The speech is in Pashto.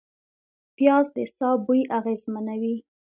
پیاز د ساه بوی اغېزمنوي